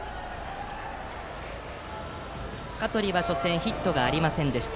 香取は初戦ヒットがありませんでした。